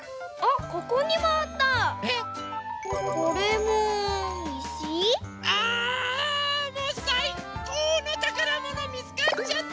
もうさいこうのたからものみつかっちゃった！